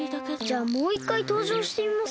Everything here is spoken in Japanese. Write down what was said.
じゃあもう１かいとうじょうしてみます？